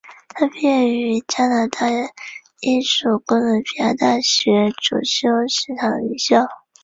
她毕业于加拿大英属哥伦比亚大学主修市场营销。